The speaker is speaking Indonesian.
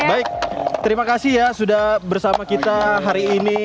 baik terima kasih ya sudah bersama kita hari ini